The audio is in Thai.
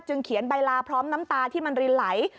เขียนใบลาพร้อมน้ำตาที่มันรินไหล